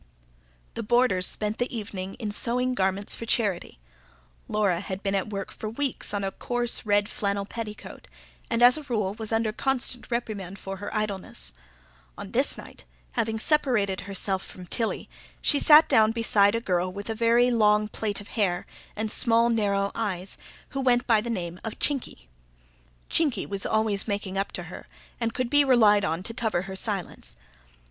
The boarders spent the evening in sewing garments for charity. Laura had been at work for weeks on a coarse, red flannel petticoat, and as a rule was under constant reprimand for her idleness. On this night, having separated herself from Tilly, she sat down beside a girl with a very long plait of hair and small, narrow eyes, who went by the name of "Chinky". Chinky was always making up to her, and could be relied on to cover her silence.